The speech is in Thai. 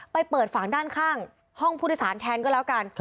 ไปเปิดฝั่งด้านข้างห้องผู้โดยสารแทนก็แล้วกัน